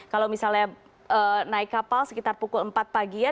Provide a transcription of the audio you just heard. kalau misalnya naik kapal sekitar pukul empat pagi ya